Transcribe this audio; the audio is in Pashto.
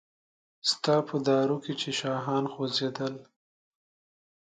ستا په دارو کې چې شاهان خوځیدل